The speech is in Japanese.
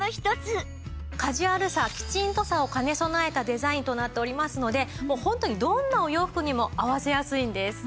カジュアルさキチンとさを兼ね備えたデザインとなっておりますので本当にどんなお洋服にも合わせやすいんです。